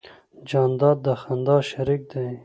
جانداد د خندا شریک دی.